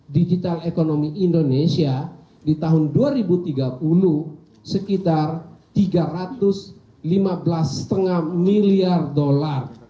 digital ekonomi indonesia di tahun dua ribu tiga puluh sekitar tiga ratus lima belas lima miliar dolar